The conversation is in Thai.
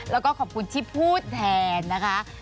แล้วก็ขอบคุณที่พูดแทนนะคะ